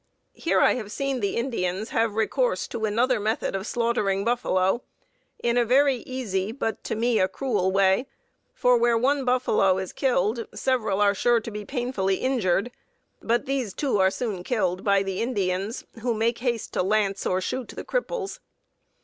Here I have seen the Indians have recourse to another method of slaughtering buffalo in a very easy, but to me a cruel way, for where one buffalo is killed several are sure to be painfully injured; but these, too, are soon killed by the Indians, who make haste to lance or shoot the cripples.